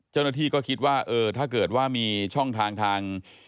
เจ้าหน้าที่ก็คิดว่าเออถ้าเกิดว่ามีช่องทางทาง